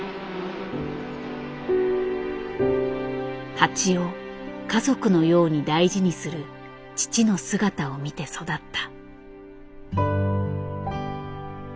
蜂を家族のように大事にする父の姿を見て育った。